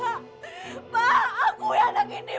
bapak aku ya anak ini